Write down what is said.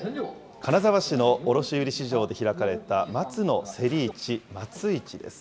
金沢市の卸売り市場で開かれた松の競り市、松市です。